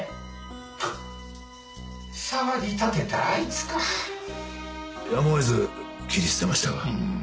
はっ騒ぎ立てたあいつか・やむをえず斬り捨てましたがうん